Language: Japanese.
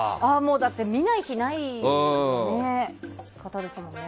だって見ない日ない方ですもんね。